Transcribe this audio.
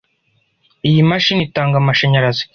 Iyi mashini itanga amashanyarazi.